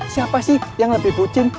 siapa sih yang lebih botching